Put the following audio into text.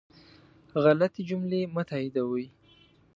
غلطي جملې مه تائیدوئ